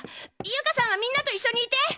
友嘉さんはみんなと一緒にいて！